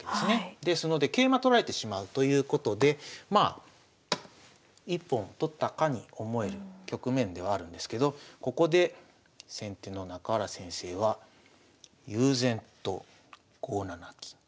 ですので桂馬取られてしまうということで一本取ったかに思える局面ではあるんですけどここで先手の中原先生は悠然と５七金。